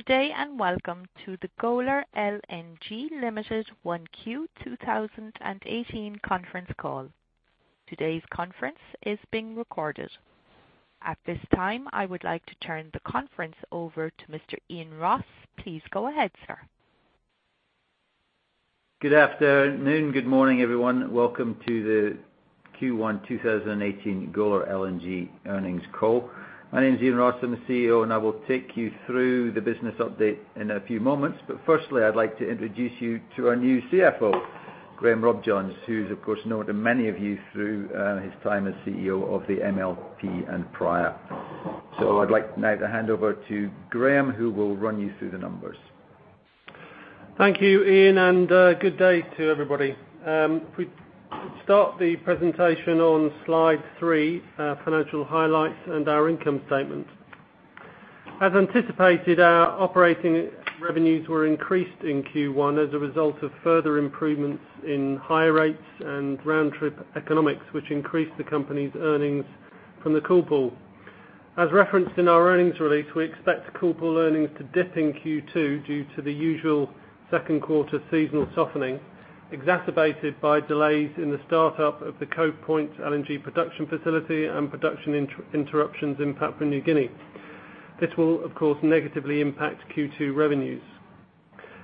Good day, welcome to the Golar LNG Limited 1Q 2018 conference call. Today's conference is being recorded. At this time, I would like to turn the conference over to Mr. Iain Ross. Please go ahead, sir. Good afternoon. Good morning, everyone. Welcome to the Q1 2018 Golar LNG earnings call. My name is Iain Ross, I am the CEO, I will take you through the business update in a few moments. Firstly, I would like to introduce you to our new CFO, Graham Robjohns, who is of course, known to many of you through his time as CEO of the MLP and prior. I would like now to hand over to Graham, who will run you through the numbers. Thank you, Iain, good day to everybody. If we start the presentation on slide three, financial highlights and our income statement. As anticipated, our operating revenues were increased in Q1 as a result of further improvements in hire rates and round trip economics, which increased the company's earnings from The Cool Pool. As referenced in our earnings release, we expect The Cool Pool earnings to dip in Q2 due to the usual second quarter seasonal softening, exacerbated by delays in the startup of the Cove Point LNG production facility and production interruptions in Papua New Guinea. This will, of course, negatively impact Q2 revenues.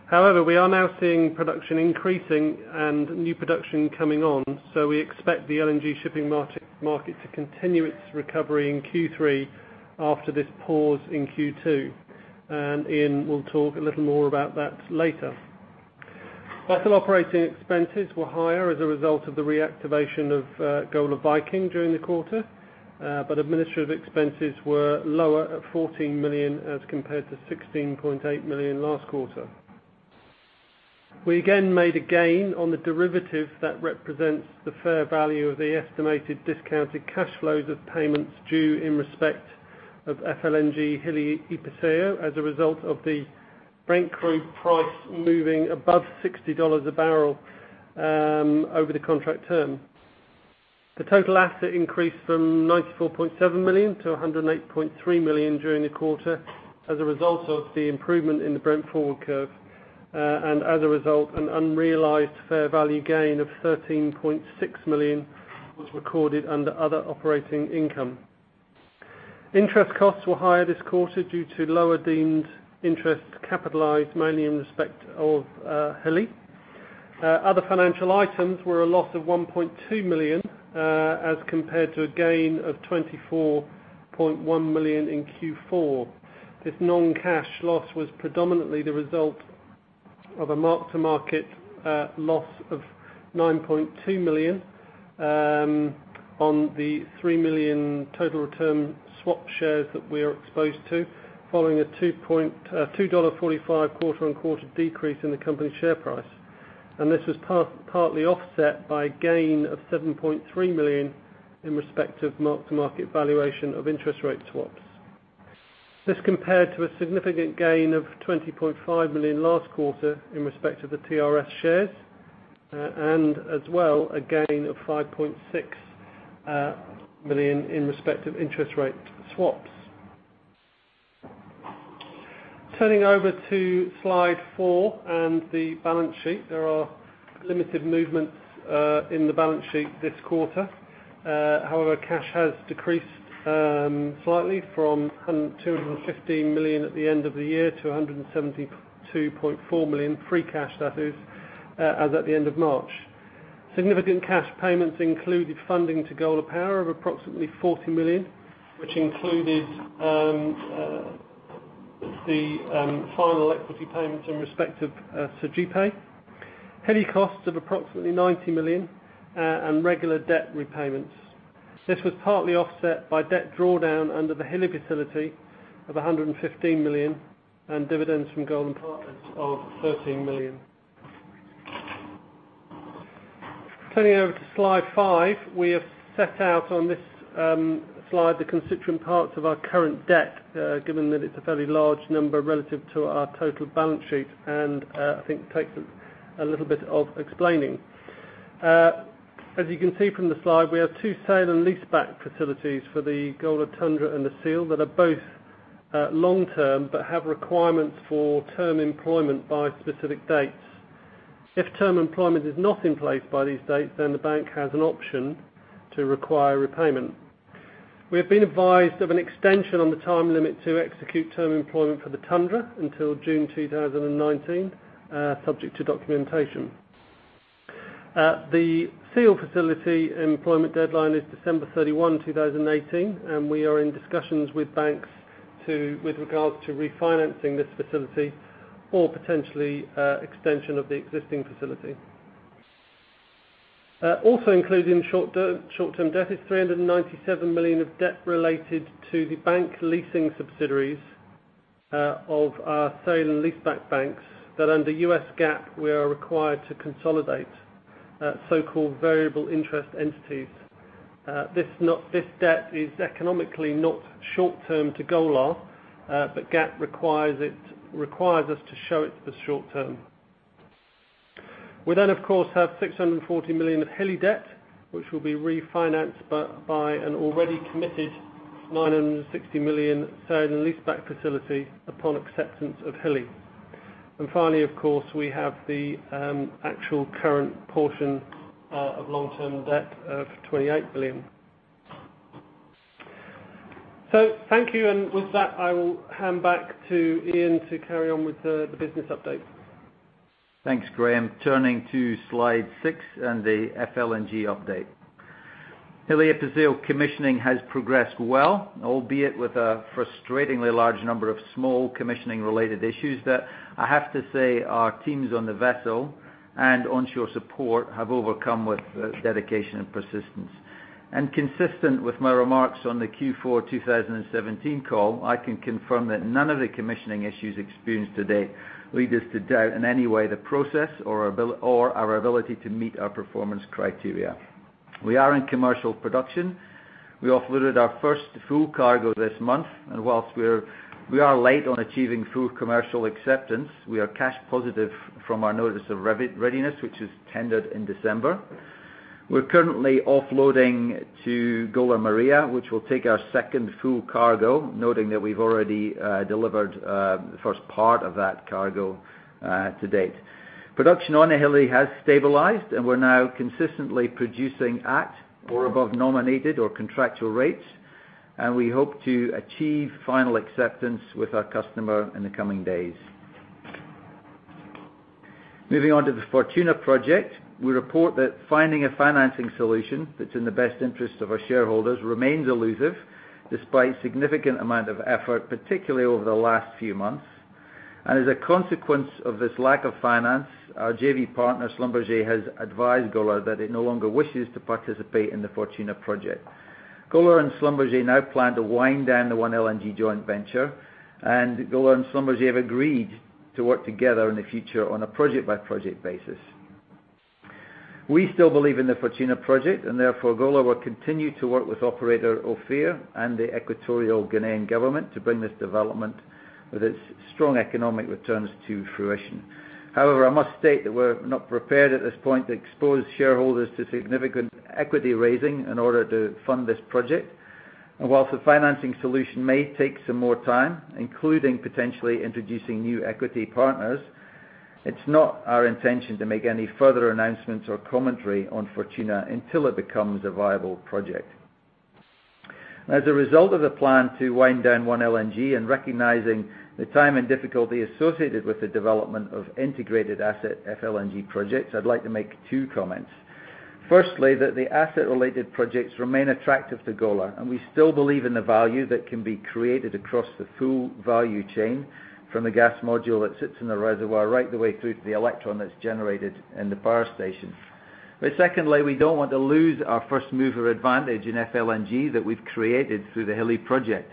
However, we are now seeing production increasing and new production coming on, we expect the LNG shipping market to continue its recovery in Q3 after this pause in Q2, Iain will talk a little more about that later. Vessel operating expenses were higher as a result of the reactivation of Golar Viking during the quarter. Administrative expenses were lower at $14 million as compared to $16.8 million last quarter. We again made a gain on the derivative that represents the fair value of the estimated discounted cash flows of payments due in respect of FLNG Hilli Episeyo as a result of the Brent crude price moving above $60 a barrel over the contract term. The total asset increased from $94.7 million to $108.3 million during the quarter as a result of the improvement in the Brent forward curve. As a result, an unrealized fair value gain of $13.6 million was recorded under other operating income. Interest costs were higher this quarter due to lower deemed interest capitalized mainly in respect of Hilli. Other financial items were a loss of $1.2 million as compared to a gain of $24.1 million in Q4. This non-cash loss was predominantly the result of a mark-to-market loss of $9.2 million on the 3 million total return swap shares that we are exposed to following a $2.45 quarter-on-quarter decrease in the company's share price. This was partly offset by a gain of $7.3 million in respect of mark-to-market valuation of interest rate swaps. This compared to a significant gain of $20.5 million last quarter in respect of the TRS shares, as well, a gain of $5.6 million in respect of interest rate swaps. Turning over to slide four and the balance sheet. There are limited movements in the balance sheet this quarter. Cash has decreased slightly from $215 million at the end of the year to $172.4 million, free cash that is, as at the end of March. Significant cash payments included funding to Golar Power of approximately $40 million, which included the final equity payment in respect of Sergipe, Hilli costs of approximately $90 million, and regular debt repayments. This was partly offset by debt drawdown under the Hilli facility of $115 million and dividends from Golar Partners of $13 million. Turning over to slide five. We have set out on this slide the constituent parts of our current debt, given that it's a fairly large number relative to our total balance sheet, I think takes a little bit of explaining. As you can see from the slide, we have two sale and leaseback facilities for the Golar Tundra and the Golar Seal that are both long-term but have requirements for term employment by specific dates. If term employment is not in place by these dates, the bank has an option to require repayment. We have been advised of an extension on the time limit to execute term employment for the Tundra until June 2019, subject to documentation. The Seal facility employment deadline is December 31, 2018, We are in discussions with banks with regards to refinancing this facility or potentially extension of the existing facility. Also included in short-term debt is $397 million of debt related to the bank leasing subsidiaries of our sale and leaseback banks that under U.S. GAAP, we are required to consolidate so-called variable interest entities. This debt is economically not short-term to Golar, GAAP requires us to show it as short-term. Of course, we have $640 million of Hilli debt, which will be refinanced by an already committed $960 million sale and leaseback facility upon acceptance of Hilli. Finally, of course, we have the actual current portion of long-term debt of $28 million. Thank you. With that, I will hand back to Iain to carry on with the business update. Thanks, Graham. Turning to slide six and the FLNG update. Hilli Episeyo commissioning has progressed well, albeit with a frustratingly large number of small commissioning-related issues that I have to say our teams on the vessel and onshore support have overcome with dedication and persistence. Consistent with my remarks on the Q4 2017 call, I can confirm that none of the commissioning issues experienced to date lead us to doubt in any way the process or our ability to meet our performance criteria. We are in commercial production. We offloaded our first full cargo this month, and whilst we are late on achieving full commercial acceptance, we are cash positive from our notice of readiness, which is tendered in December. We are currently offloading to Golar Maria, which will take our second full cargo, noting that we've already delivered the first part of that cargo to date. Production on Hilli has stabilized. We are now consistently producing at or above nominated or contractual rates. We hope to achieve final acceptance with our customer in the coming days. Moving on to the Fortuna project, we report that finding a financing solution that is in the best interest of our shareholders remains elusive despite significant amount of effort, particularly over the last few months. As a consequence of this lack of finance, our JV partner, Schlumberger, has advised Golar that it no longer wishes to participate in the Fortuna project. Golar and Schlumberger now plan to wind down the OneLNG joint venture. Golar and Schlumberger have agreed to work together in the future on a project-by-project basis. We still believe in the Fortuna project. Therefore, Golar will continue to work with operator Ophir and the Equatorial Guinean government to bring this development with its strong economic returns to fruition. However, I must state that we are not prepared at this point to expose shareholders to significant equity raising in order to fund this project. Whilst the financing solution may take some more time, including potentially introducing new equity partners, it is not our intention to make any further announcements or commentary on Fortuna until it becomes a viable project. As a result of the plan to wind down OneLNG and recognizing the time and difficulty associated with the development of integrated asset FLNG projects, I'd like to make two comments. Firstly, that the asset-related projects remain attractive to Golar, and we still believe in the value that can be created across the full value chain from the gas module that sits in the reservoir right the way through to the electron that's generated in the power station. Secondly, we don't want to lose our first-mover advantage in FLNG that we've created through the Hilli project.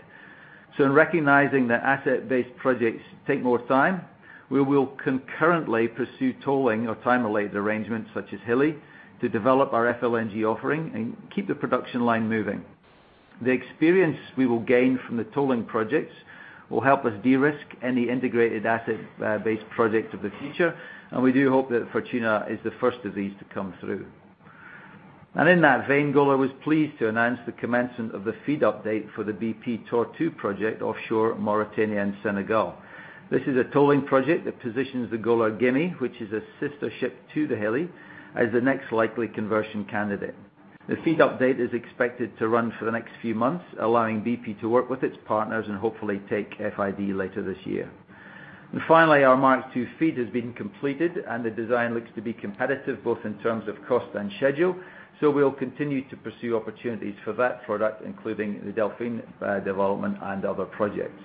In recognizing that asset-based projects take more time, we will concurrently pursue tolling or time-related arrangements such as Hilli to develop our FLNG offering and keep the production line moving. The experience we will gain from the tolling projects will help us de-risk any integrated asset-based project of the future. We do hope that Fortuna is the first of these to come through. In that vein, Golar was pleased to announce the commencement of the FEED update for the BP Tortue project offshore Mauritania and Senegal. This is a tolling project that positions the Golar Gimi, which is a sister ship to the Hilli, as the next likely conversion candidate. The FEED update is expected to run for the next few months, allowing BP to work with its partners and hopefully take FID later this year. Finally, our Mark II FEED has been completed, and the design looks to be competitive both in terms of cost and schedule, so we will continue to pursue opportunities for that product, including the Delfin development and other projects.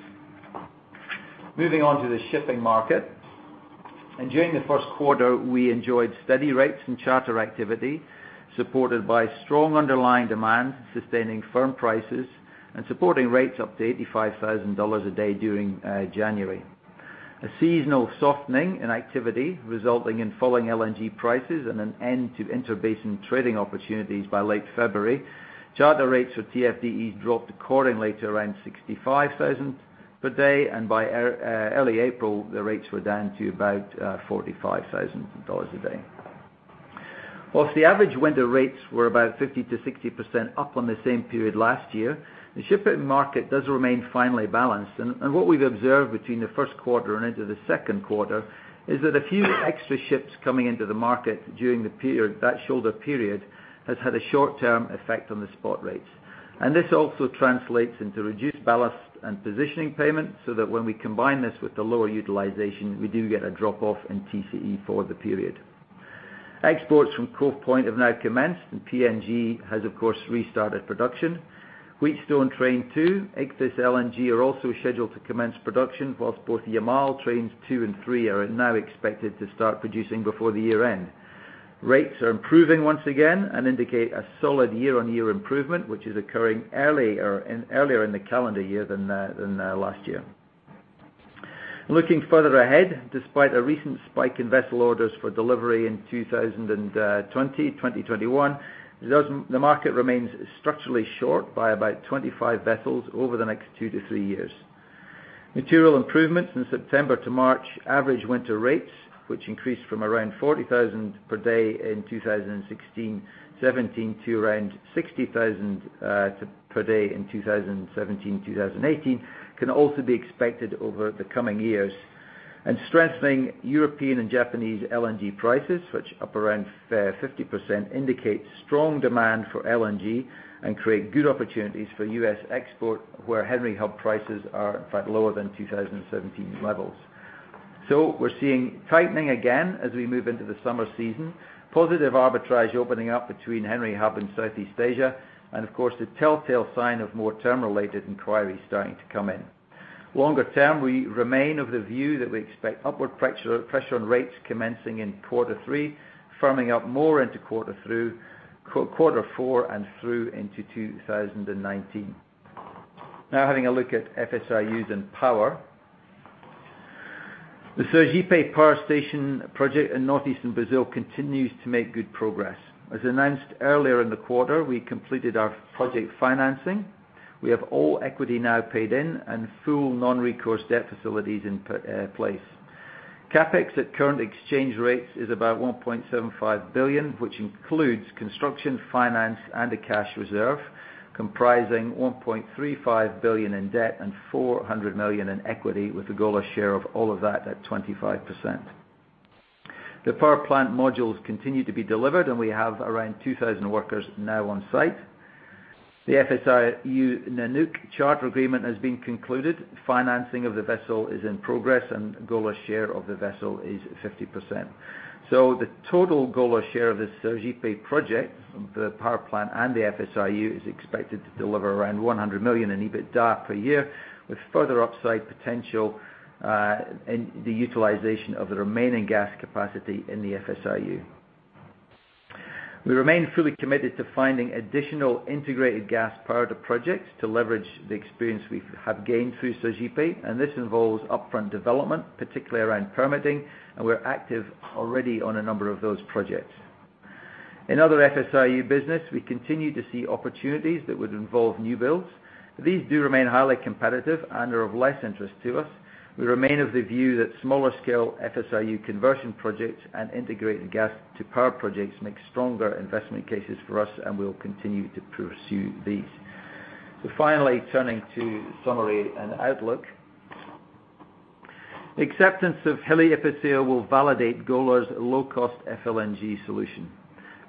Moving on to the shipping market. During the first quarter, we enjoyed steady rates and charter activity, supported by strong underlying demand, sustaining firm prices and supporting rates up to $85,000 a day during January. A seasonal softening in activity resulting in falling LNG prices and an end to interbasin trading opportunities by late February. Charter rates for TFDEs dropped accordingly to around $65,000 per day, and by early April, the rates were down to about $45,000 a day. Whilst the average winter rates were about 50%-60% up on the same period last year, the shipping market does remain finely balanced. What we have observed between the first quarter and into the second quarter is that a few extra ships coming into the market during that shoulder period has had a short-term effect on the spot rates. This also translates into reduced ballast and positioning payments so that when we combine this with the lower utilization, we do get a drop-off in TCE for the period. Exports from Cove Point have now commenced, and PNG has of course restarted production. Wheatstone Train 2, Ichthys LNG are also scheduled to commence production, whilst both Yamal Trains 2 and 3 are now expected to start producing before the year-end. Rates are improving once again and indicate a solid year-on-year improvement, which is occurring earlier in the calendar year than last year. Looking further ahead, despite a recent spike in vessel orders for delivery in 2020-2021, the market remains structurally short by about 25 vessels over the next two to three years. Material improvements in September to March average winter rates, which increased from around $40,000 per day in 2016/2017 to around $60,000 per day in 2017/2018, can also be expected over the coming years. Strengthening European and Japanese LNG prices, which are up around 50%, indicate strong demand for LNG and create good opportunities for U.S. export, where Henry Hub prices are in fact lower than 2017 levels. We're seeing tightening again as we move into the summer season, positive arbitrage opening up between Henry Hub and Southeast Asia, and of course, the telltale sign of more term-related inquiries starting to come in. Longer term, we remain of the view that we expect upward pressure on rates commencing in quarter three, firming up more into quarter four, and through into 2019. Having a look at FSRUs and power. The Sergipe Power Station project in northeastern Brazil continues to make good progress. As announced earlier in the quarter, we completed our project financing. We have all equity now paid in and full non-recourse debt facilities in place. CapEx at current exchange rates is about $1.75 billion, which includes construction, finance, and a cash reserve comprising $1.35 billion in debt and $400 million in equity, with a Golar share of all of that at 25%. The power plant modules continue to be delivered. We have around 2,000 workers now on site. The FSRU Golar Nanook charter agreement has been concluded. Financing of the vessel is in progress. Golar's share of the vessel is 50%. The total Golar share of the Sergipe project, the power plant and the FSRU, is expected to deliver around $100 million in EBITDA per year, with further upside potential in the utilization of the remaining gas capacity in the FSRU. We remain fully committed to finding additional integrated gas-powered projects to leverage the experience we have gained through Sergipe. This involves upfront development, particularly around permitting, and we are active already on a number of those projects. In other FSRU business, we continue to see opportunities that would involve new builds. These do remain highly competitive and are of less interest to us. We remain of the view that smaller-scale FSRU conversion projects and integrated gas-to-power projects make stronger investment cases for us. We will continue to pursue these. Finally, turning to summary and outlook. Acceptance of Hilli Episeyo will validate Golar's low-cost FLNG solution.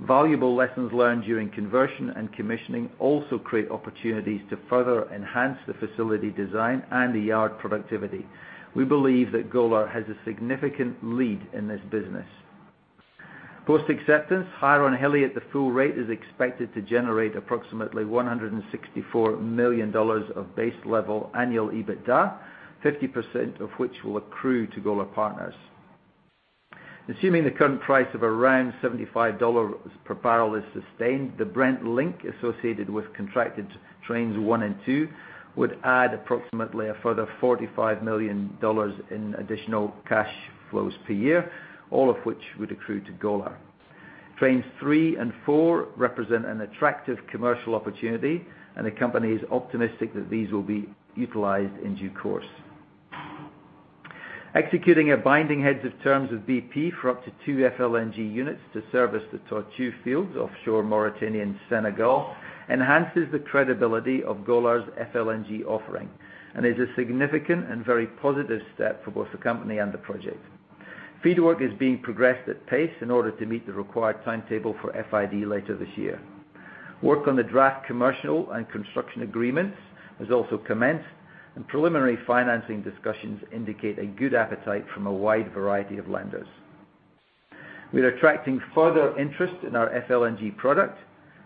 Valuable lessons learned during conversion and commissioning also create opportunities to further enhance the facility design and the yard productivity. We believe that Golar has a significant lead in this business. Post-acceptance, hire on Hilli at the full rate is expected to generate approximately $164 million of base level annual EBITDA, 50% of which will accrue to Golar partners. Assuming the current price of around $75 per barrel is sustained, the Brent link associated with contracted trains 1 and 2 would add approximately a further $45 million in additional cash flows per year, all of which would accrue to Golar. Trains 3 and 4 represent an attractive commercial opportunity. The company is optimistic that these will be utilized in due course. Executing a binding heads of terms of BP for up to 2 FLNG units to service the Tortue fields offshore Mauritania and Senegal enhances the credibility of Golar's FLNG offering and is a significant and very positive step for both the company and the project. FEED work is being progressed at pace in order to meet the required timetable for FID later this year. Work on the draft commercial and construction agreements has also commenced. Preliminary financing discussions indicate a good appetite from a wide variety of lenders. We are attracting further interest in our FLNG product,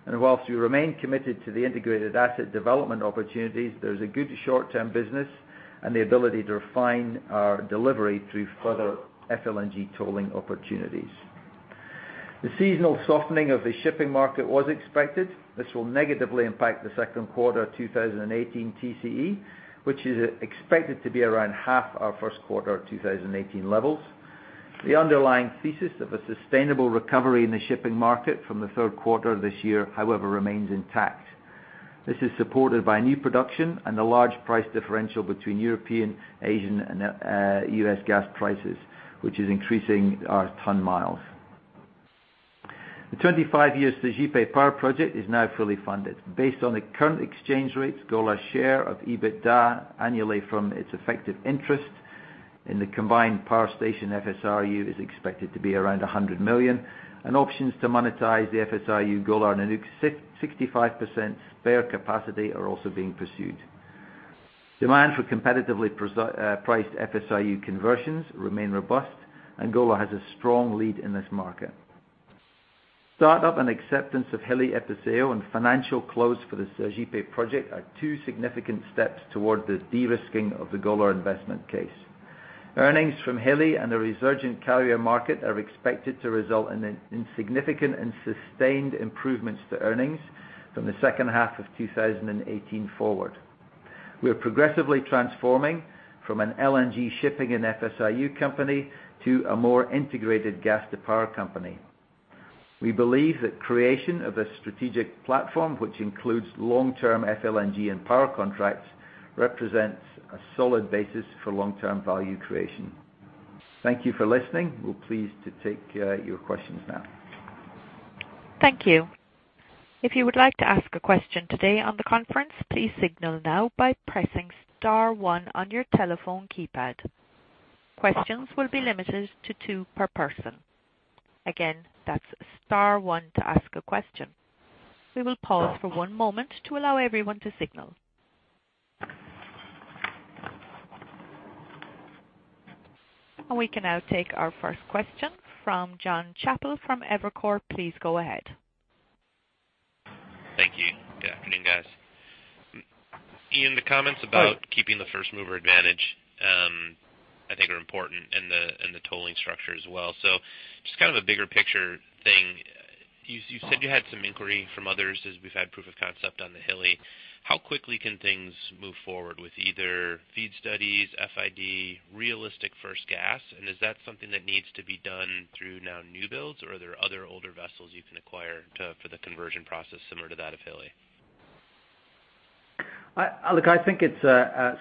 and whilst we remain committed to the integrated asset development opportunities, there is a good short-term business and the ability to refine our delivery through further FLNG tolling opportunities. The seasonal softening of the shipping market was expected. This will negatively impact the second quarter of 2018 TCE, which is expected to be around half our first quarter of 2018 levels. The underlying thesis of a sustainable recovery in the shipping market from the third quarter of this year, however, remains intact. This is supported by new production and the large price differential between European, Asian, and U.S. gas prices, which is increasing our ton miles. The 25-year Sergipe Power project is now fully funded. Based on the current exchange rates, Golar's share of EBITDA annually from its effective interest in the combined power station FSRU is expected to be around $100 million. Options to monetize the FSRU Golar Nanook 65% spare capacity are also being pursued. Demand for competitively priced FSRU conversions remain robust. Golar has a strong lead in this market. Startup and acceptance of Hilli Episeyo and financial close for the Sergipe project are two significant steps toward the de-risking of the Golar investment case. Earnings from Hilli and the resurgent carrier market are expected to result in significant and sustained improvements to earnings from the second half of 2018 forward. We are progressively transforming from an LNG shipping and FSRU company to a more integrated gas-to-power company. We believe that creation of a strategic platform, which includes long-term FLNG and power contracts, represents a solid basis for long-term value creation. Thank you for listening. We're pleased to take your questions now. Thank you. If you would like to ask a question today on the conference, please signal now by pressing star one on your telephone keypad. Questions will be limited to two per person. Again, that's star one to ask a question. We will pause for one moment to allow everyone to signal. We can now take our first question from Jonathan Chappell from Evercore. Please go ahead. Thank you. Good afternoon, guys. Hi. Iain, the comments about keeping the first-mover advantage, I think, are important and the tolling structure as well. Just a bigger picture thing. You said you had some inquiry from others as we've had proof of concept on the Hilli. How quickly can things move forward with either FEED studies, FID, realistic first gas? Is that something that needs to be done through now new builds, or are there other older vessels you can acquire for the conversion process similar to that of Hilli? Look, I think it's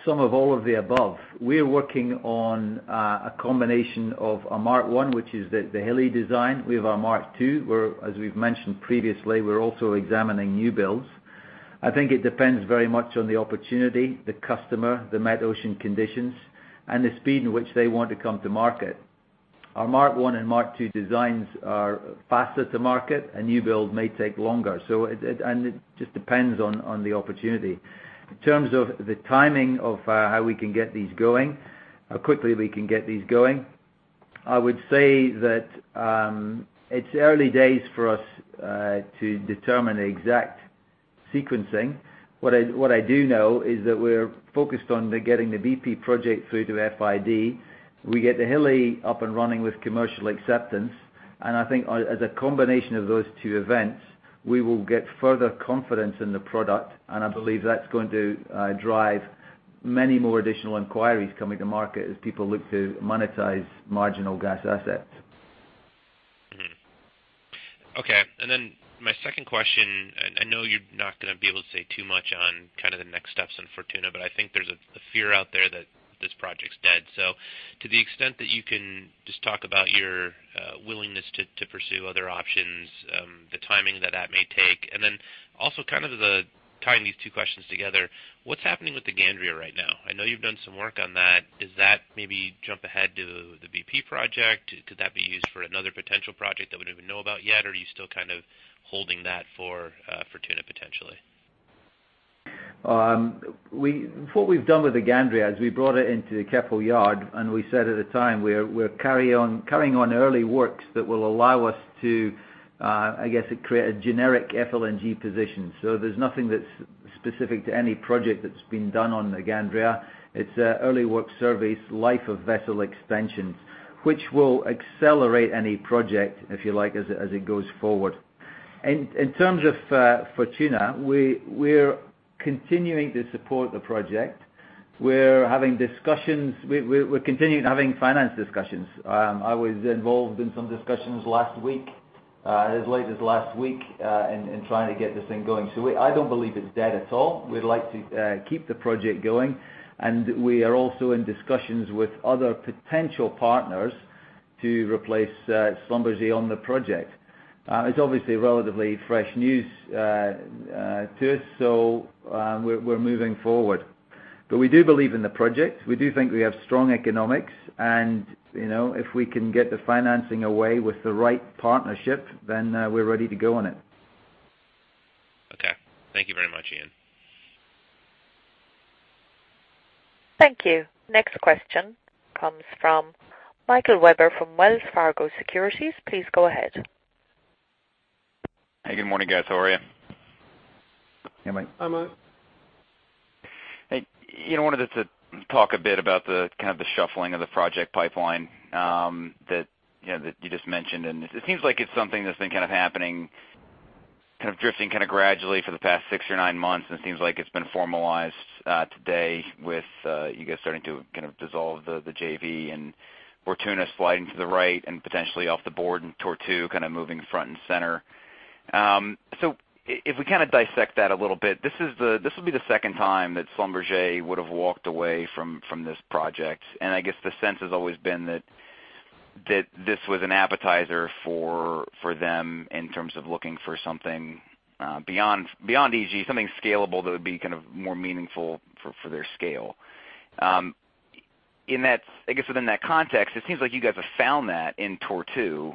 some of all of the above. We're working on a combination of a Mark I, which is the Hilli design. We have our Mark II, where, as we've mentioned previously, we're also examining new builds. I think it depends very much on the opportunity, the customer, the met ocean conditions, and the speed in which they want to come to market. Our Mark I and Mark II designs are faster to market. A new build may take longer. It just depends on the opportunity. In terms of the timing of how we can get these going, how quickly we can get these going, I would say that it's early days for us to determine the exact sequencing. What I do know is that we're focused on getting the BP project through to FID. We get the Hilli up and running with commercial acceptance. I think as a combination of those two events, we will get further confidence in the product, and I believe that's going to drive many more additional inquiries coming to market as people look to monetize marginal gas assets. Okay. My second question, I know you're not going to be able to say too much on kind of the next steps in Fortuna, but I think there's a fear out there that this project's dead. To the extent that you can just talk about your willingness to pursue other options, the timing that that may take, and then also kind of the tying these two questions together, what's happening with the Gandria right now? I know you've done some work on that. Does that maybe jump ahead to the BP project? Could that be used for another potential project that we don't even know about yet? Or are you still kind of holding that for Fortuna, potentially? What we've done with the Gandria is we brought it into the Keppel yard, and we said at the time, we're carrying on early works that will allow us to, I guess, create a generic FLNG position. There's nothing that's specific to any project that's been done on the Gandria. It's early work surveys, life-of-vessel extensions, which will accelerate any project, if you like, as it goes forward. In terms of Fortuna, we're continuing to support the project. We're continuing to have finance discussions. I was involved in some discussions as late as last week in trying to get this thing going. I don't believe it's dead at all. We'd like to keep the project going, and we are also in discussions with other potential partners to replace Schlumberger on the project. It's obviously relatively fresh news to us, so we're moving forward. We do believe in the project. We do think we have strong economics and, if we can get the financing away with the right partnership, then we're ready to go on it. Okay. Thank you very much, Iain. Thank you. Next question comes from Michael Webber from Wells Fargo Securities. Please go ahead. Hey, good morning, guys. How are you? Hey, Mike. Hi, Mike. Hey. I wanted to talk a bit about the shuffling of the project pipeline that you just mentioned, and it seems like it's something that's been kind of happening, kind of drifting gradually for the past six or nine months, and it seems like it's been formalized today with you guys starting to dissolve the JV and Fortuna sliding to the right and potentially off the board, and Tortue kind of moving front and center. If we dissect that a little bit, this will be the second time that Schlumberger would have walked away from this project, I guess the sense has always been that this was an appetizer for them in terms of looking for something beyond EG, something scalable that would be kind of more meaningful for their scale. I guess within that context, it seems like you guys have found that in Tortue,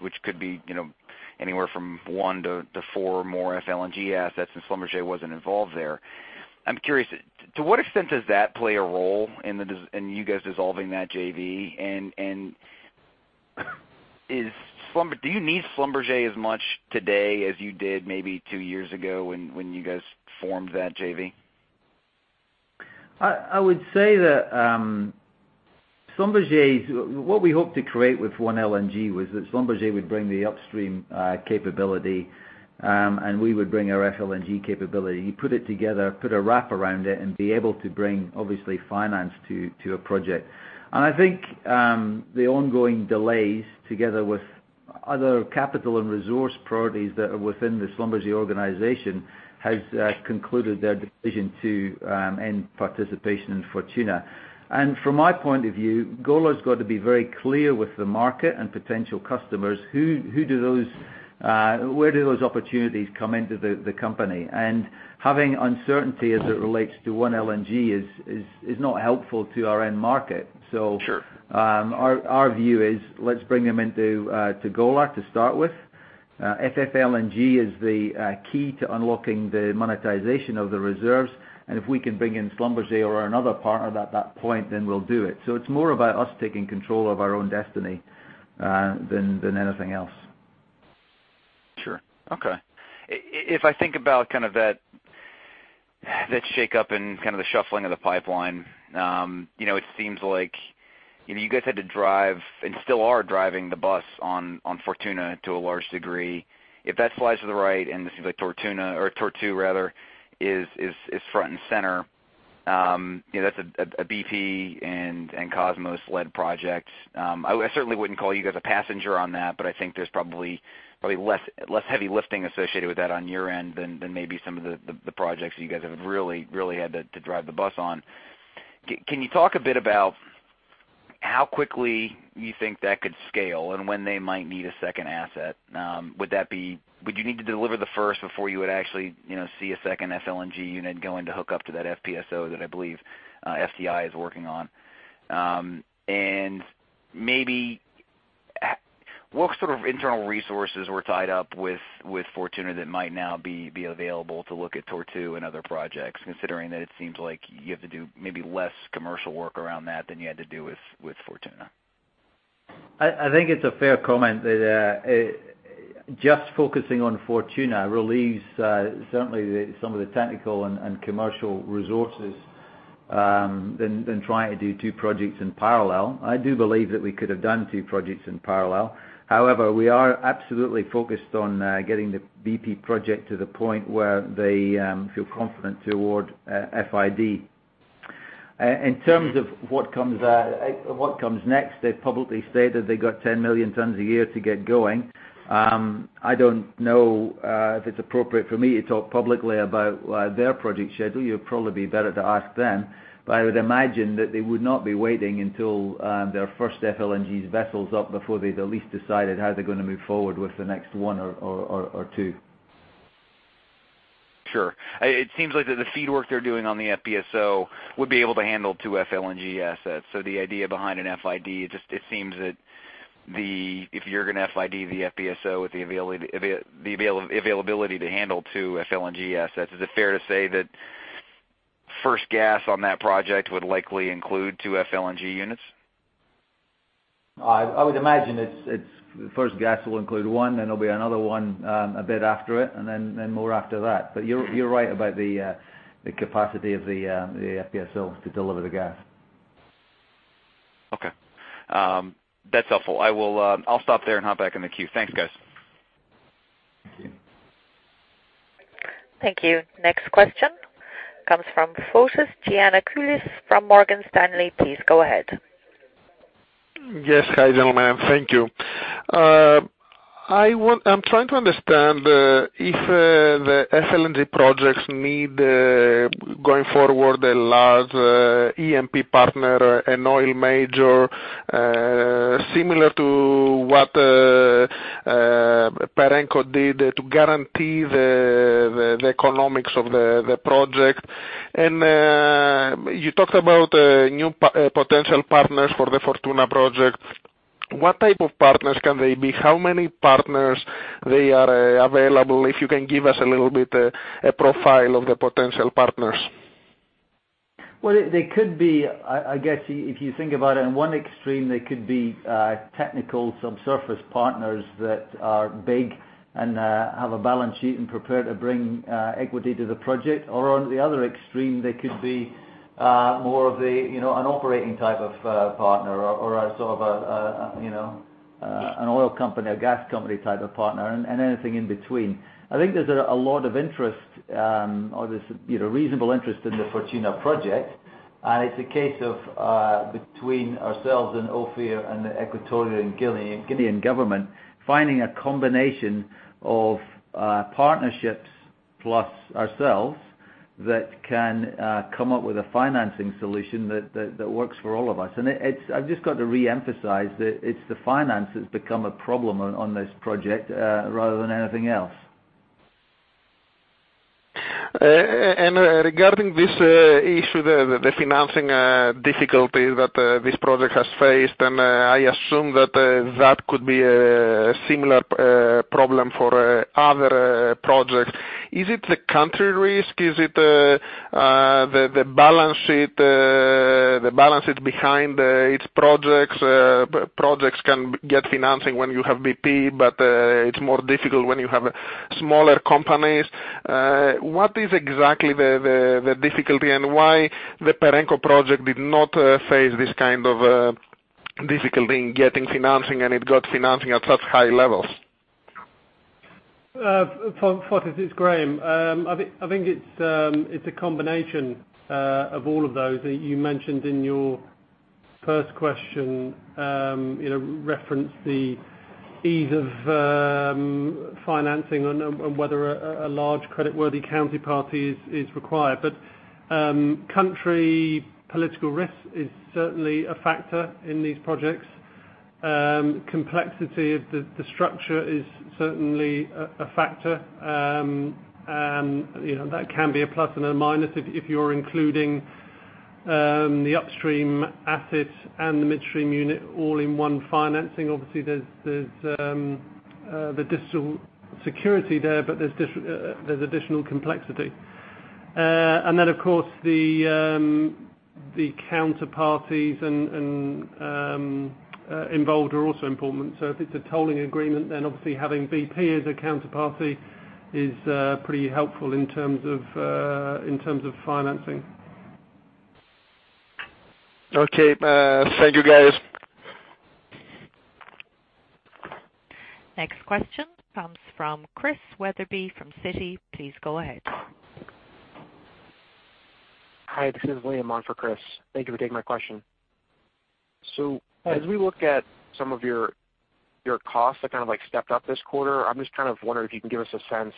which could be anywhere from one to four more FLNG assets. Schlumberger wasn't involved there. I'm curious, to what extent does that play a role in you guys dissolving that JV? Do you need Schlumberger as much today as you did maybe two years ago when you guys formed that JV? I would say that what we hoped to create with OneLNG was that Schlumberger would bring the upstream capability. We would bring our FLNG capability. You put it together, put a wrap around it, and be able to bring, obviously, finance to a project. I think the ongoing delays, together with other capital and resource priorities that are within the Schlumberger organization, has concluded their decision to end participation in Fortuna. From my point of view, Golar's got to be very clear with the market and potential customers where do those opportunities come into the company. Having uncertainty as it relates to OneLNG is not helpful to our end market. Sure. Our view is, let's bring them into Golar to start with. FLNG is the key to unlocking the monetization of the reserves, if we can bring in Schlumberger or another partner at that point, we'll do it. It's more about us taking control of our own destiny than anything else. Sure. Okay. If I think about that shakeup and the shuffling of the pipeline, it seems like you guys had to drive, and still are driving the bus on Fortuna to a large degree. If that slides to the right, and this is like Tortuna, or Tortue rather, is front and center, that's a BP and Kosmos-led project. I certainly wouldn't call you guys a passenger on that, but I think there's probably less heavy lifting associated with that on your end than maybe some of the projects that you guys have really had to drive the bus on. Can you talk a bit about how quickly you think that could scale, and when they might need a second asset? Would you need to deliver the first before you would actually see a second FLNG unit going to hook up to that FPSO that I believe FID is working on? Maybe what sort of internal resources were tied up with Fortuna that might now be available to look at Tortue and other projects, considering that it seems like you have to do maybe less commercial work around that than you had to do with Fortuna? I think it's a fair comment. That just focusing on Fortuna relieves certainly some of the technical and commercial resources than trying to do two projects in parallel. I do believe that we could have done two projects in parallel. However, we are absolutely focused on getting the BP project to the point where they feel confident to award FID. In terms of what comes next, they've publicly stated they've got 10 million tons a year to get going. I don't know if it's appropriate for me to talk publicly about their project schedule. You'd probably be better to ask them. I would imagine that they would not be waiting until their first FLNG's vessel's up before they've at least decided how they're going to move forward with the next one or two. Sure. It seems like that the FEED work they're doing on the FPSO would be able to handle two FLNG assets. The idea behind an FID, it seems that if you're going to FID the FPSO with the availability to handle two FLNG assets, is it fair to say that first gas on that project would likely include two FLNG units? I would imagine its first gas will include one, then there'll be another one a bit after it, and then more after that. You're right about the capacity of the FPSO to deliver the gas. Okay. That's helpful. I'll stop there and hop back in the queue. Thanks, guys. Thank you. Thank you. Next question comes from Morgan Stanley. Please go ahead. Yes. Hi, gentlemen. Thank you. I'm trying to understand if the FLNG projects need, going forward, a large E&P partner, an oil major, similar to what Perenco did to guarantee the economics of the project. You talked about new potential partners for the Fortuna project. What type of partners can they be? How many partners they are available? If you can give us a little bit a profile of the potential partners. Well, they could be, I guess if you think about it in one extreme, they could be technical subsurface partners that are big and have a balance sheet and prepared to bring equity to the project. Or on the other extreme, they could be more of an operating type of partner or a sort of an oil company, a gas company type of partner, and anything in between. I think there's a lot of interest, or there's reasonable interest in the Fortuna project. It's a case of between ourselves and Ophir and the Equatorial and Guinean government finding a combination of partnerships plus ourselves that can come up with a financing solution that works for all of us. I've just got to reemphasize that it's the finance that's become a problem on this project rather than anything else. Regarding this issue, the financing difficulty that this project has faced. I assume that that could be a similar problem for other projects. Is it the country risk? Is it the balance sheet behind its projects? Projects can get financing when you have BP, but it's more difficult when you have smaller companies. What is exactly the difficulty and why the Perenco project did not face this kind of difficulty in getting financing, and it got financing at such high levels? Fotis, it's Graham. It's a combination of all of those that you mentioned in your first question, reference the ease of financing and whether a large creditworthy counterparty is required. Country political risk is certainly a factor in these projects. Complexity of the structure is certainly a factor. That can be a plus and a minus if you're including the upstream asset and the midstream unit all in one financing. Obviously, there's additional security there, but there's additional complexity. Of course, the counterparties involved are also important. If it's a tolling agreement, then obviously having BP as a counterparty is pretty helpful in terms of financing. Okay. Thank you, guys. Next question comes from Chris Wetherbee from Citi. Please go ahead. Hi, this is William on for Chris. Thank you for taking my question. Hi. As we look at some of your costs that kind of stepped up this quarter, I'm just kind of wondering if you can give us a sense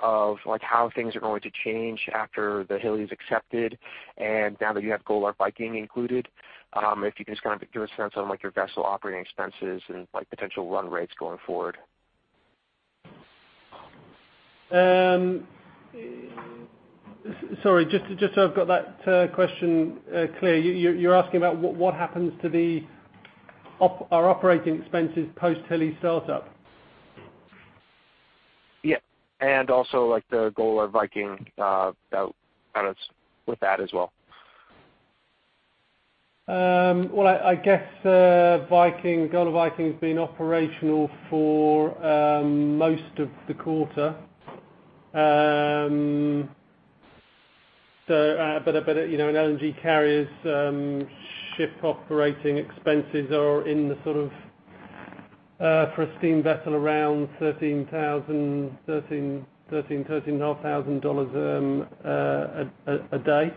of how things are going to change after the Hilli is accepted, and now that you have Golar Viking included. If you can just kind of give a sense on your vessel operating expenses and potential run rates going forward. Sorry, just I've got that question clear. You're asking about what happens to our operating expenses post Hilli start up? Yeah. Also, the Golar Viking, that kind of with that as well. I guess Golar Viking's been operational for most of the quarter. An LNG carrier's ship operating expenses are in the sort of, for a steam vessel, around $13,000-$13,500 a day.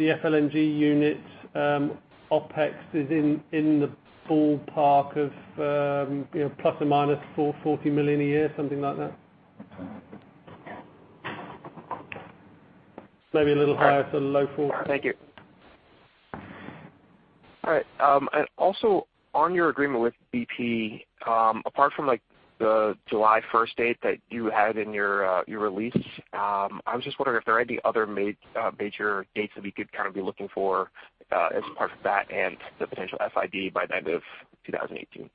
The FLNG unit OpEx is in the ballpark of ±$40 million a year, something like that. Maybe a little higher to the low 40s. Thank you. All right. Also on your agreement with BP, apart from the July 1st date that you had in your release, I was just wondering if there are any other major dates that we could be looking for as part of that and the potential FID by the end of 2018.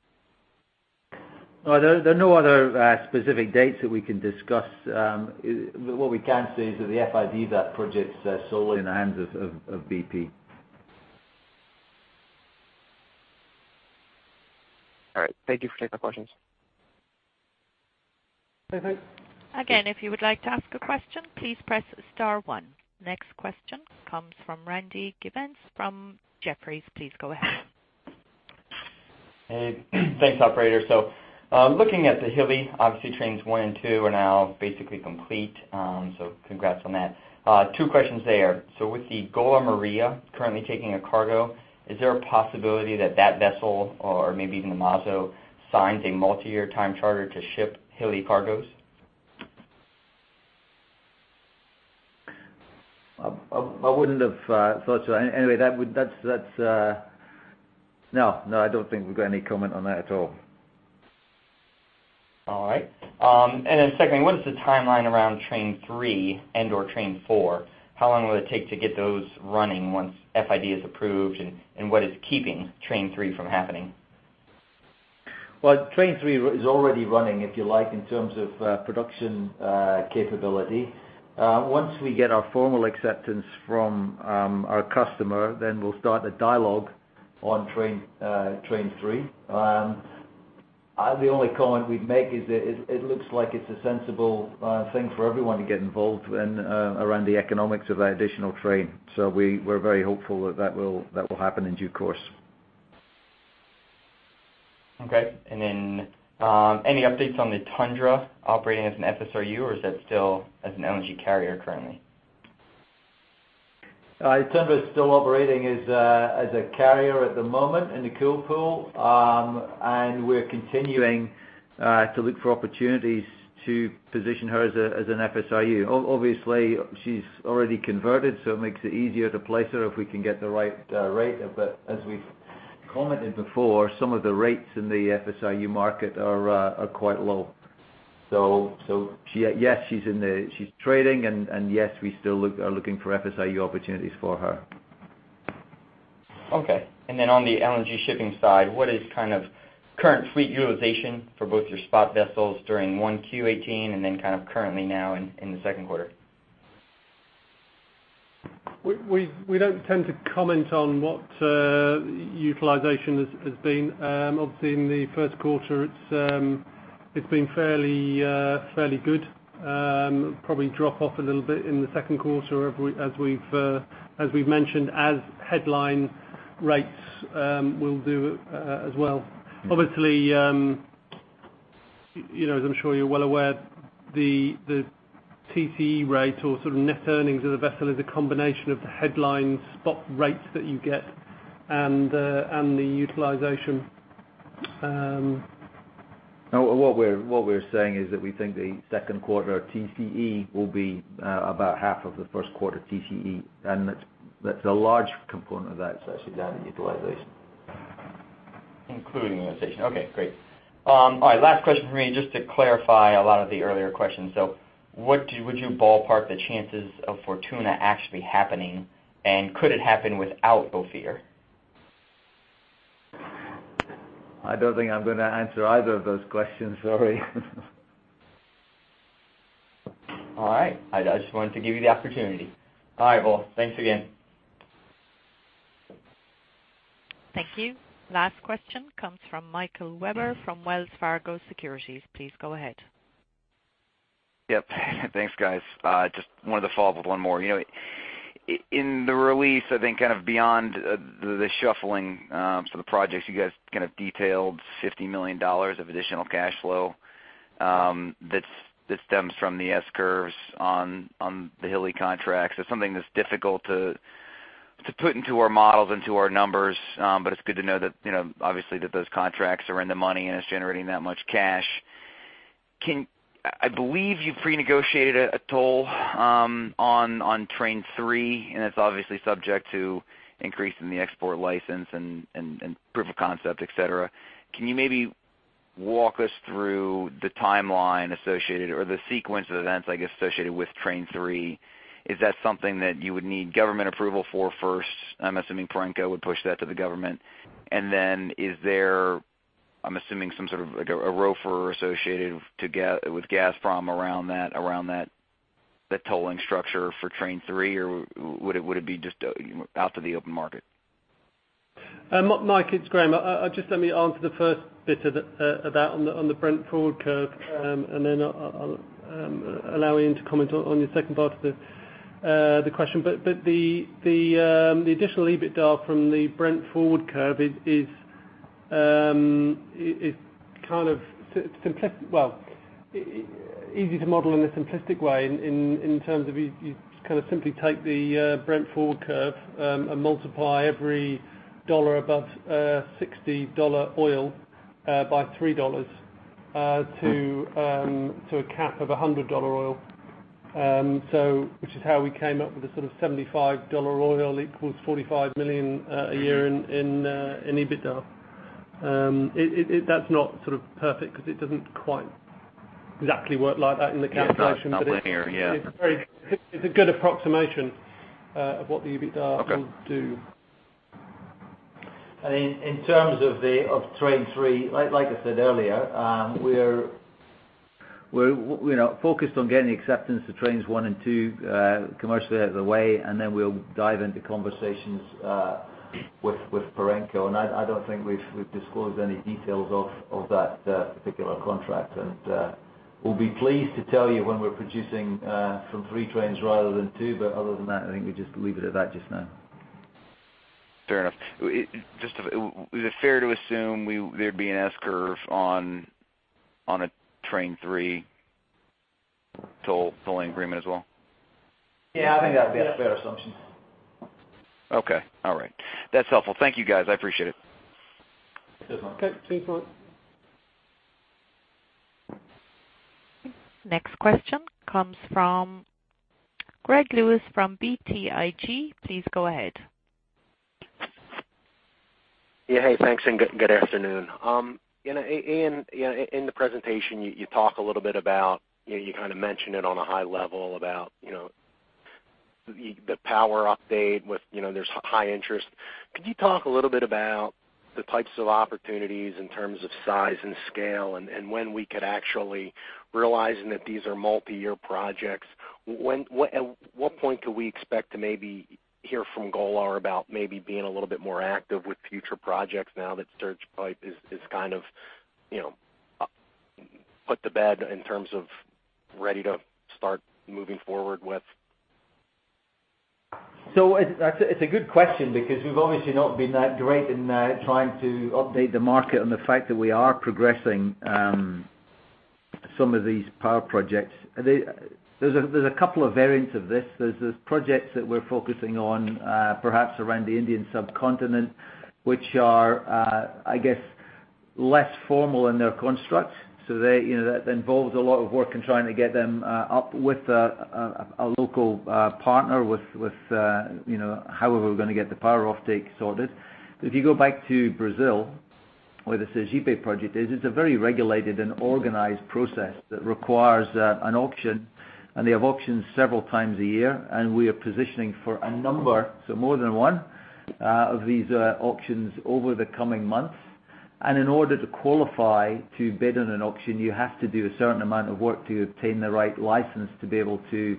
There are no other specific dates that we can discuss. What we can say is that the FID of that project's solely in the hands of BP. All right. Thank you for taking my questions. Okay. If you would like to ask a question, please press *1. Next question comes from Randy Giveans from Jefferies. Please go ahead. Thanks, operator. Looking at the Hilli, obviously trains 1 and 2 are now basically complete, congrats on that. Two questions there. With the Golar Maria currently taking a cargo, is there a possibility that that vessel or maybe even the Mazo signs a multiyear time charter to ship Hilli cargoes? I wouldn't have thought so. Anyway, no. I don't think we've got any comment on that at all. All right. Secondly, what is the timeline around train 3 and/or train 4? How long will it take to get those running once FID is approved, what is keeping train 3 from happening? Well, train three is already running, if you like, in terms of production capability. Once we get our formal acceptance from our customer, then we'll start a dialogue on train three. The only comment we'd make is it looks like it's a sensible thing for everyone to get involved in around the economics of that additional train. We're very hopeful that that will happen in due course. Okay. Any updates on the Tundra operating as an FSRU, or is that still as an LNG carrier currently? Tundra is still operating as a carrier at the moment in The Cool Pool, and we're continuing to look for opportunities to position her as an FSRU. Obviously, she's already converted, so it makes it easier to place her if we can get the right rate. As we've commented before, some of the rates in the FSRU market are quite low. Yes, she's trading, and yes, we still are looking for FSRU opportunities for her. Okay. On the LNG shipping side, what is current fleet utilization for both your spot vessels during 1Q18 and then currently now in the second quarter? We don't tend to comment on what utilization has been. Obviously, in the first quarter, it's been fairly good. Probably drop off a little bit in the second quarter as we've mentioned, as headline rates will do as well. Obviously, as I'm sure you're well aware, the TCE rate or sort of net earnings of the vessel is a combination of the headline spot rates that you get and the utilization. No. What we're saying is that we think the second quarter TCE will be about half of the first quarter TCE, and a large component of that is actually down to utilization. Including utilization. Okay, great. All right, last question from me, just to clarify a lot of the earlier questions. Would you ballpark the chances of Fortuna actually happening, and could it happen without Ophir? I don't think I'm going to answer either of those questions. Sorry. All right. I just wanted to give you the opportunity. All right, well, thanks again. Thank you. Last question comes from Michael Webber from Wells Fargo Securities. Please go ahead. Yep. Thanks, guys. Just wanted to follow up with one more. In the release, I think kind of beyond the shuffling of the projects, you guys kind of detailed $50 million of additional cash flow that stems from the S-curves on the Hilli contracts. It's something that's difficult to put into our models, into our numbers. It's good to know that, obviously, that those contracts are in the money, and it's generating that much cash. I believe you pre-negotiated a toll on Train 3, and it's obviously subject to increase in the export license and proof of concept, et cetera. Can you maybe walk us through the timeline associated or the sequence of events, I guess, associated with Train 3? Is that something that you would need government approval for first? I'm assuming Perenco would push that to the government. Is there, I'm assuming, some sort of a ROFR associated with Gazprom around that tolling structure for Train 3, or would it be just out to the open market? Mike, it's Graham. Just let me answer the first bit about on the Brent forward curve, and then I'll allow Iain to comment on your second part of the question. The additional EBITDA from the Brent forward curve is kind of simplistic. Well, easy to model in a simplistic way in terms of you kind of simply take the Brent forward curve and multiply every dollar above a $60 oil by $3 to a cap of $100 oil. Which is how we came up with a sort of $75 oil equals $45 million a year in EBITDA. That's not sort of perfect because it doesn't quite exactly work like that in the calculation. It's not linear, yeah. It's a good approximation of what the EBITDA will do. In terms of Train 3, like I said earlier, we're focused on getting the acceptance of Trains 1 and 2 commercially out of the way, and then we'll dive into conversations with Perenco. I don't think we've disclosed any details of that particular contract. We'll be pleased to tell you when we're producing from three trains rather than two, other than that, I think we just leave it at that just now. Fair enough. Is it fair to assume there'd be an S-curve on a Train 3 tolling agreement as well? Yeah, I think that'd be a fair assumption. Okay. All right. That's helpful. Thank you, guys. I appreciate it. Cheers, Mike. Okay. Cheers, Mike. Next question comes from Gregory Lewis from BTIG. Please go ahead. Yeah. Hey, thanks. Good afternoon. Iain, in the presentation, you talk a little bit about, you kind of mention it on a high level about the power update with there's high interest. Could you talk a little bit about the types of opportunities in terms of size and scale, and when we could actually realize, and that these are multi-year projects. At what point could we expect to maybe hear from Golar about maybe being a little bit more active with future projects now that Sergipe is kind of put to bed in terms of ready to start moving forward with? It's a good question because we've obviously not been that great in trying to update the market on the fact that we are progressing some of these power projects. There's a couple of variants of this. There's those projects that we're focusing on perhaps around the Indian subcontinent, which are, I guess, less formal in their construct. That involves a lot of work in trying to get them up with a local partner with however we're going to get the power offtake sorted. If you go back to Brazil, where the Sergipe project is, it's a very regulated and organized process that requires an auction, and they have auctions several times a year, and we are positioning for a number, so more than one, of these auctions over the coming months. In order to qualify to bid on an auction, you have to do a certain amount of work to obtain the right license to be able to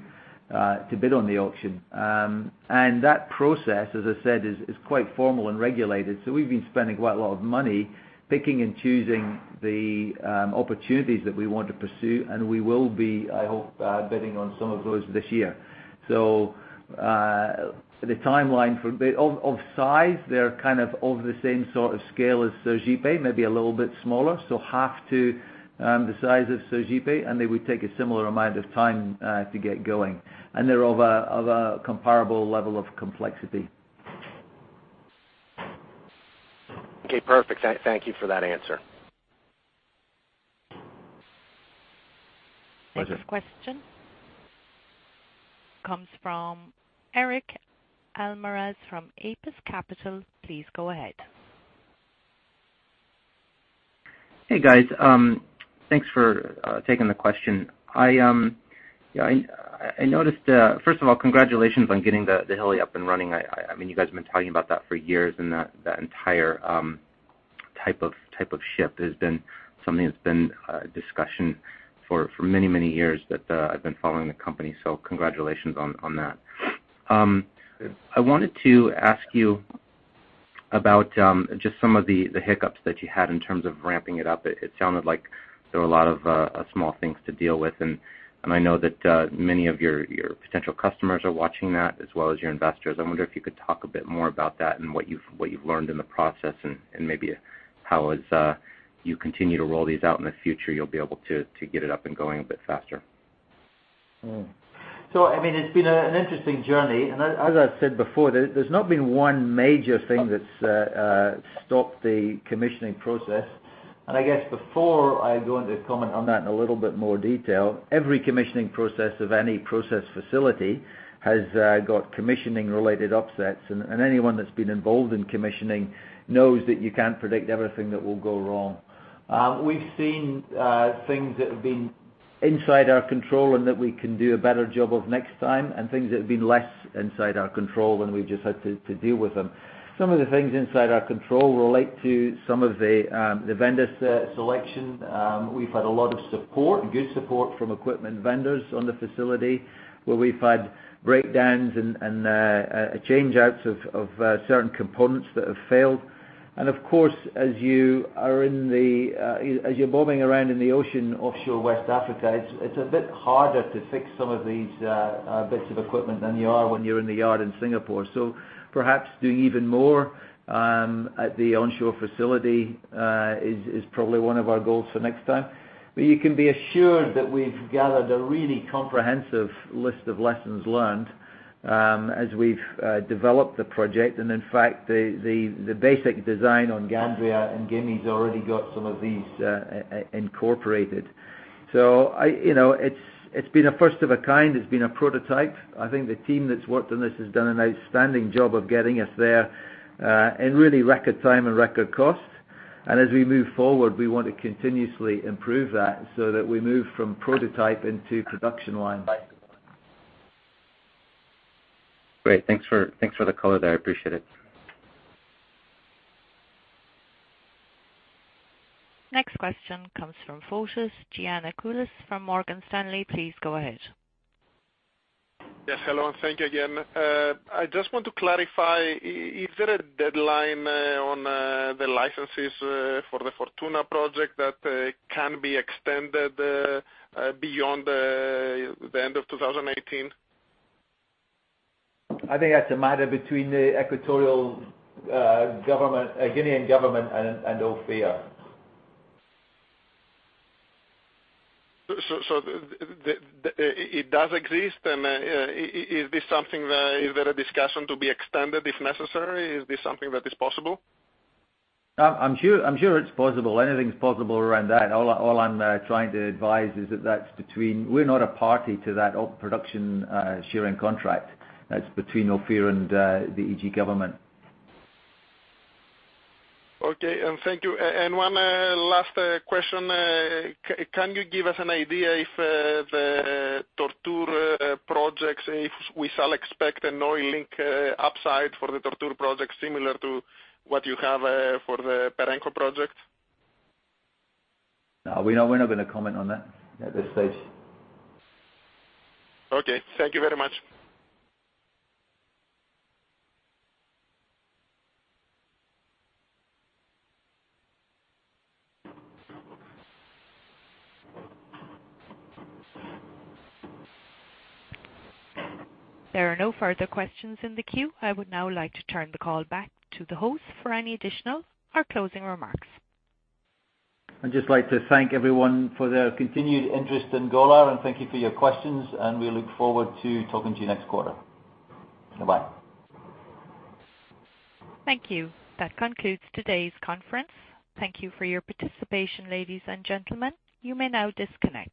bid on the auction. That process, as I said, is quite formal and regulated. We've been spending quite a lot of money picking and choosing the opportunities that we want to pursue, and we will be, I hope, bidding on some of those this year. The timeline for a bit of size, they are kind of the same sort of scale as Sergipe, maybe a little bit smaller, half to the size of Sergipe, and they would take a similar amount of time to get going. They're of a comparable level of complexity. Okay, perfect. Thank you for that answer. Pleasure. Next question comes from Erik Almaraz from Apis Capital. Please go ahead. Hey, guys. Thanks for taking the question. First of all, congratulations on getting the Hilli up and running. You guys have been talking about that for years, and that entire type of shift has been something that's been a discussion for many, many years that I've been following the company. Congratulations on that. Good. I wanted to ask you about just some of the hiccups that you had in terms of ramping it up. It sounded like there were a lot of small things to deal with, and I know that many of your potential customers are watching that as well as your investors. I wonder if you could talk a bit more about that and what you've learned in the process and maybe how as you continue to roll these out in the future, you'll be able to get it up and going a bit faster. It's been an interesting journey. As I've said before, there's not been one major thing that's stopped the commissioning process. I guess before I go into comment on that in a little bit more detail, every commissioning process of any process facility has got commissioning-related upsets, and anyone that's been involved in commissioning knows that you can't predict everything that will go wrong. We've seen things that have been inside our control and that we can do a better job of next time, and things that have been less inside our control and we've just had to deal with them. Some of the things inside our control relate to some of the vendor selection. We've had a lot of support, good support from equipment vendors on the facility, where we've had breakdowns and change-outs of certain components that have failed. Of course, as you are bobbing around in the ocean offshore West Africa, it's a bit harder to fix some of these bits of equipment than you are when you're in the yard in Singapore. Perhaps doing even more at the onshore facility is probably one of our goals for next time. You can be assured that we've gathered a really comprehensive list of lessons learned as we've developed the project. In fact, the basic design on Gandria and Gimi's already got some of these incorporated. It's been a first of a kind. It's been a prototype. I think the team that's worked on this has done an outstanding job of getting us there in really record time and record cost. As we move forward, we want to continuously improve that so that we move from prototype into production line. Great. Thanks for the color there. I appreciate it. Next question comes from Fotis Giannakoulis from Morgan Stanley. Please go ahead. Yes, hello, and thank you again. I just want to clarify, is there a deadline on the licenses for the Fortuna project that can be extended beyond the end of 2018? I think that's a matter between the Equatorial Guinean government and Ophir. It does exist, and is there a discussion to be extended if necessary? Is this something that is possible? I'm sure it's possible. Anything's possible around that. All I'm trying to advise is that we're not a party to that production sharing contract. That's between Ophir and the EG government. Okay. Thank you. One last question. Can you give us an idea if the Tortue projects, if we shall expect an oil link upside for the Tortue project similar to what you have for the Perenco project? No, we're not going to comment on that at this stage. Okay. Thank you very much. There are no further questions in the queue. I would now like to turn the call back to the host for any additional or closing remarks. I'd just like to thank everyone for their continued interest in Golar, and thank you for your questions, and we look forward to talking to you next quarter. Bye-bye. Thank you. That concludes today's conference. Thank you for your participation, ladies and gentlemen. You may now disconnect.